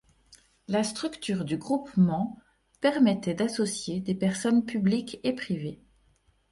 La structure du groupement permettait d'associer des personnes publiques et privées.